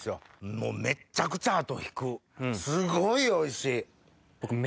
もうめっちゃくちゃ後引くすごいおいしい！